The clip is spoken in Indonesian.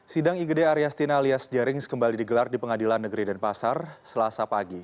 sidang igd ariastina alias jerings kembali digelar di pengadilan negeri dan pasar selasa pagi